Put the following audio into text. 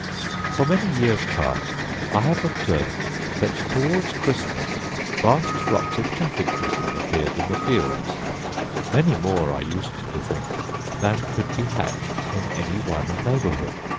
For many years past I have observed that towards Christmas vast flocks of chaffinches have appeared in the fields; many more, I used to think, than could be hatched in any one neighbourhood.